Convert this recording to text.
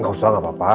gak usah gak apa apa